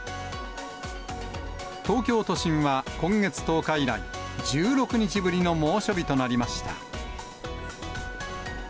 東京都心は今月１０日以来、１６日ぶりの猛暑日となりました。